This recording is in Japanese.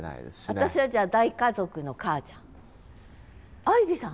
私はじゃあ大家族の母ちゃん。愛莉さん？